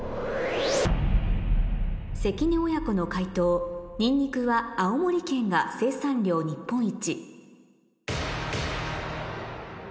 関根親子の解答「にんにくは青森県が生産量日本一」